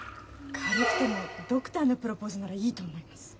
軽くてもドクターのプロポーズならいいと思います。